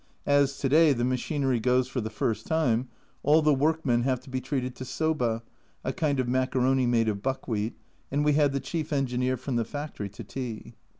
As to day the machinery goes for the first time, all the workmen have to be treated to Soba (a kind of macaroni made of buckwheat), and we had the chief engineer from the factory to tea.